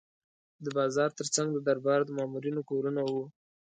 د بازار ترڅنګ د دربار د مامورینو کورونه وو.